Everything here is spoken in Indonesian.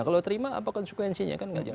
kalau terima apa konsekuensinya